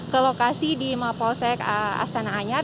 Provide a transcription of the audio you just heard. ke lokasi di mapolsek astana anyar